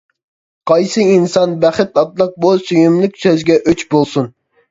قايسى ئىنسان بەخت ئاتلىق بۇ سۆيۈملۈك سۆزگە ئۆچ بولسۇن.